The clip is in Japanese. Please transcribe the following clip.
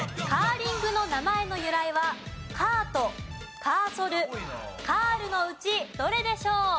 カーリングの名前の由来はカートカーソルカールのうちどれでしょう？